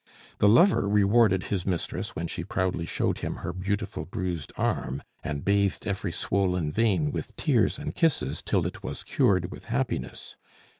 The lover rewarded his mistress when she proudly showed him her beautiful bruised arm, and bathed every swollen vein with tears and kisses till it was cured with happiness.